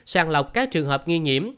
sàng lọc các trường hợp nghi nhiễm